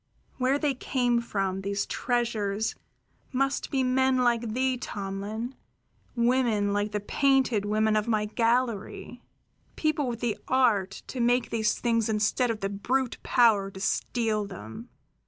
Where they came from, these treasures, must be men like thee, Tomlin, women like the painted women of my gallery, people with the art to make these things instead of the brute power to steal them.